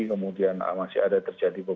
kemudian masih ada terjadi